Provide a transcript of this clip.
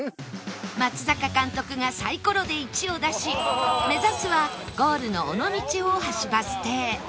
松坂監督がサイコロで１を出し目指すはゴールの尾道大橋バス停